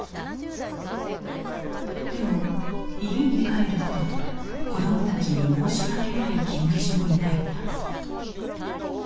でも家に帰ると子どもたちに申し訳ない気持ちを抱いた。